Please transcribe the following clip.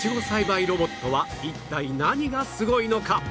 栽培ロボットは一体何がすごいのか？